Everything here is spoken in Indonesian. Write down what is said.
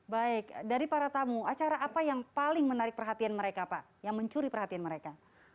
baik dari para tamu acara apa yang paling menarik perhatian mereka pak yang mencuri perhatian mereka